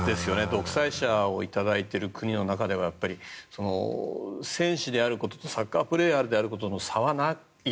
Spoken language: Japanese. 独裁者をいただいている国の中では戦士であることとサッカープレーヤーであることの差はない。